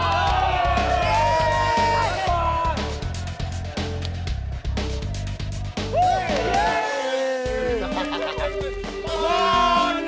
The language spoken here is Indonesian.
kamu jangan jalan jauh